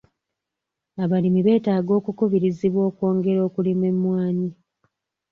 Abalimi beetaaga okukubirizibwa okwongera okulima emmwanyi.